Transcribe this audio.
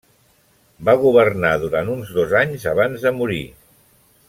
Va governar durant uns dos anys abans de morir.